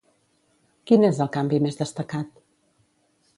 Quin és el canvi més destacat?